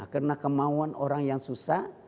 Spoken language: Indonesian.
karena kemauan orang yang susah